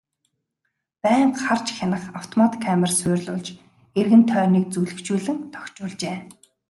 Байнга харж хянах автомат камер суурилуулж эргэн тойрныг зүлэгжүүлэн тохижуулжээ.